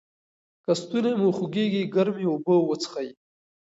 که ستونی مو خوږیږي ګرمې اوبه وڅښئ.